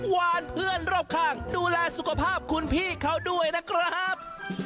วานเพื่อนรอบข้างดูแลสุขภาพคุณพี่เขาด้วยนะครับ